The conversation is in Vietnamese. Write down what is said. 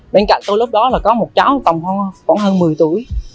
bên cạnh tôi lúc đó là có một cháu tầm khoảng hơn một mươi tuổi